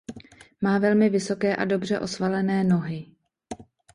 Má velmi vysoké a dobře osvalené nohy.